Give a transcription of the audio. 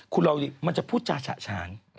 คุณลองดูดีมันจะพูดจาฉะฉาง